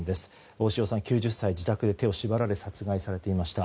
大塩さん９０歳、自宅で手を縛られ殺害されていました。